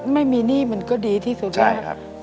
ไม่มีหนี้มันก็ดีที่สุดนะครับ